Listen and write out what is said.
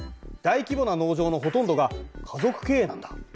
大規模な農場のほとんどが家族経営なんだ。